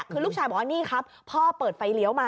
คือลูกชายบอกว่านี่ครับพ่อเปิดไฟเลี้ยวมา